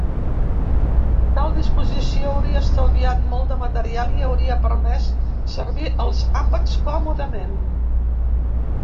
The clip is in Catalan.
Tal disposició hauria estalviat molt de material i hauria permès servir els àpats còmodament.